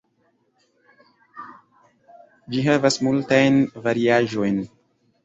Ĝi havas multajn variaĵojn.